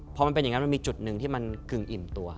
พอมันเป็นอย่างนั้นมันมีจุดหนึ่งที่มันกึ่งอิ่มตัว